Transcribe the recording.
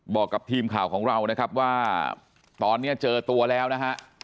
บอกกับทีมข่าวของเรานะครับว่าตอนนี้เจอตัวแล้วนะฮะ